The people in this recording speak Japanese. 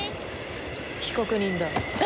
被告人だ。